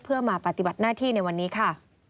เพื่อมาปฏิบัติหน้าที่ในวันนี้ค่ะ